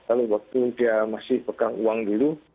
lalu waktu dia masih pegang uang dulu